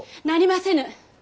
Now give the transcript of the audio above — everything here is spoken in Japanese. なりませぬ。